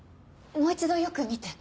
もう一度よく見て。